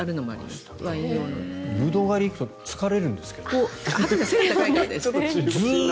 ブドウ狩りに行くと疲れるんですが。